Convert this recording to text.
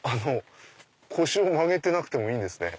腰を曲げてなくてもいいんですね。